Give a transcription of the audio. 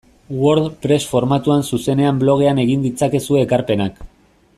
WordPress formatuan zuzenean blogean egin ditzakezue ekarpenak.